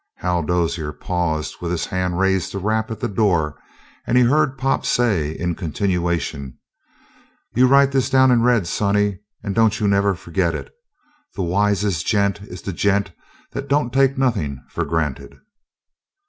Hal Dozier paused with his hand raised to rap at the door and he heard Pop say in continuation: "You write this down in red, sonny, and don't you never forget it: The wisest gent is the gent that don't take nothin' for granted."